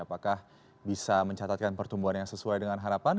apakah bisa mencatatkan pertumbuhan yang sesuai dengan harapan